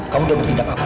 kamu udah bertindak apa